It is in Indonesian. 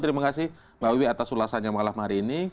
terima kasih mbak wiwi atas ulasannya malam hari ini